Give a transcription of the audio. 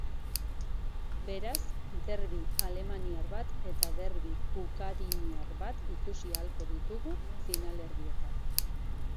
Beraz, derbi alemaniar bat eta derbi ukariniar bat ikusi ahalko ditugu finalerdietan.